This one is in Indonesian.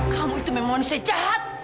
kamu itu memang saya jahat